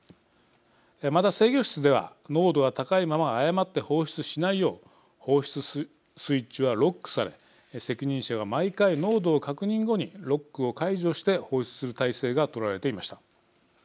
また、制御室では濃度が高いまま誤って放出しないよう放出スイッチはロックされ責任者が毎回、濃度を確認後にロックを解除して放出する体制が取られていました。